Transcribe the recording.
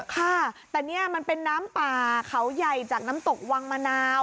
ค่ะแต่นี่มันเป็นน้ำป่าเขาใหญ่จากน้ำตกวังมะนาว